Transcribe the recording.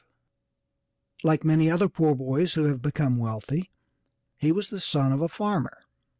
Like many other poor boys who have become wealthy he was the son of a farmer.